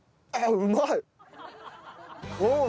うまい！